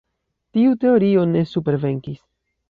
Tiu teorio ne supervenkis.